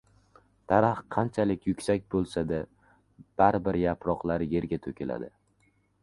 • Daraxt qanchalik yuksak bo‘lsa-da, baribir yaproqlari yerga to‘kiladi.